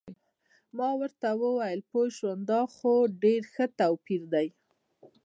ما ورته وویل: پوه شوم، دا خو ډېر ښه توپیر دی.